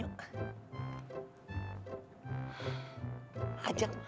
sekarang aja nyuk